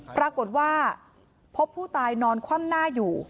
ปรากฏว่าพบผู้ตายนอนคว่ำหน้าอยู่